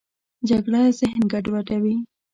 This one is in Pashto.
جګړه ذهن ګډوډوي